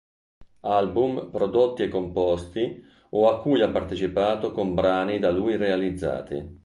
Album prodotti e composti o a cui ha partecipato con brani da lui realizzati.